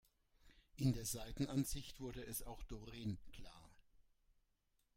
In der Seitenansicht wurde es auch Doreen klar.